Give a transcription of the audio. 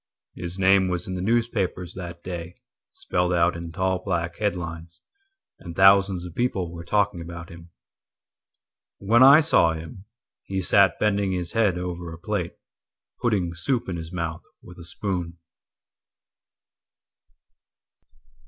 His name was in the newspapers that daySpelled out in tall black headlinesAnd thousands of people were talking about him. When I saw him, He sat bending his head over a platePutting soup in his mouth with a spoon.